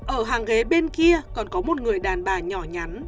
ở hàng ghế bên kia còn có một người đàn bà nhỏ nhắn